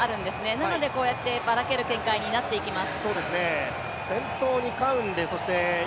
なのでこうやってばらける展開になっていきます。